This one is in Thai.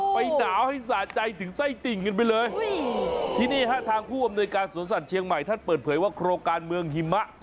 ไปหนาวให้สะใจถึงไส้ติ่งกันไปเลยที่นี่ฮะทางผู้อำนวยการสวนสัตว์เชียงใหม่ท่านเปิดเผยว่าโครงการเมืองหิมะ